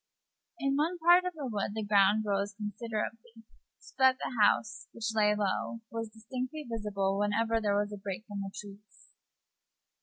In one part of the wood the ground rose considerably, so that the house, which lay low, was distinctly visible whenever there was a break in the trees.